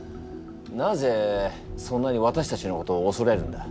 なぜそんなにわたしたちのことをおそれるんだ？